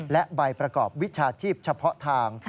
และใบประกอบวิชาชีพเฉพาะทาง